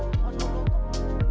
kita lanjut ya mbak